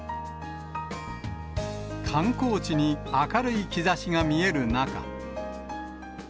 観光地に明るい兆しが見える中。